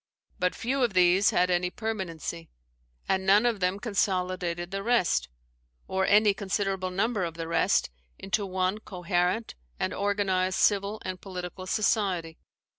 But few of these had any permanency; and none of them consolidated the rest, or any considerable number of the rest, into one coherent and organized civil and political society.